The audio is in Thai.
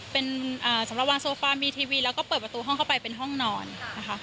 เป็นสำหรับวางโซฟามีทีวีแล้วก็เปิดประตูห้องเข้าไปเป็นห้องนอนนะคะ